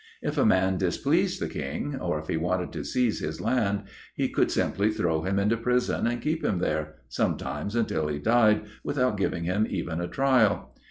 If a man displeased the King, or if he wanted to seize his land, he could simply throw him into prison and keep him there, sometimes until he died, without giving him even a trial.